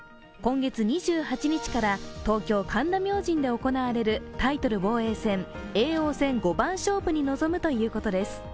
今月２８日から東京・神田明神で行われるタイトル防衛戦、叡王戦五番勝負に臨むということです。